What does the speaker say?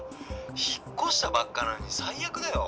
「引っ越したばっかりなのに最悪だよ」